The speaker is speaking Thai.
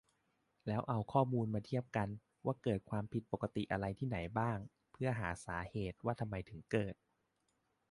แล้วเอาข้อมูลมาเทียบกัน ว่าเกิดความผิดปกติอะไรที่ไหนบ้าง เพื่อหาสาเหตุ ว่าทำไมถึงเกิด